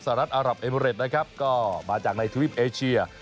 รัฐอารับเอมิเรดนะครับก็มาจากในทวิปเอเชีย